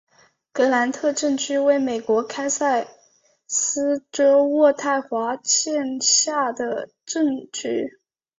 格兰特镇区为美国堪萨斯州渥太华县辖下的镇区。